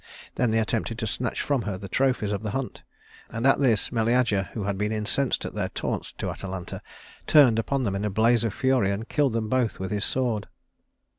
Then they attempted to snatch from her the trophies of the hunt; and at this Meleager, who had been incensed at their taunts to Atalanta, turned upon them in a blaze of fury, and killed them both with his sword.